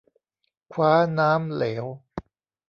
คว้าน้ำเหลว